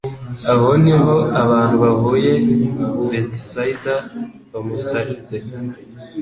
aho niho abantu bavuye i Betsaida bamusarize.